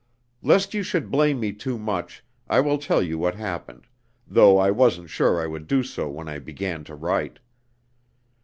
"Lest you should blame me too much, I will tell you what happened, though I wasn't sure I would do so when I began to write.